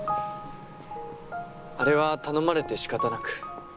あれは頼まれて仕方なく。